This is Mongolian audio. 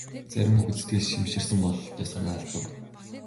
Зарим хүүхэд сэтгэл шимширсэн бололтой санаа алдав.